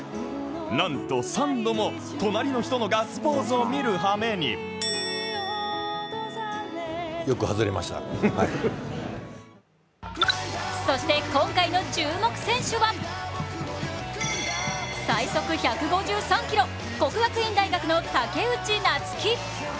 なんと、３度も隣の人のガッツポーズを見るはめにそして今回の注目選手は最速１５３キロ、国学院大学の武内夏暉。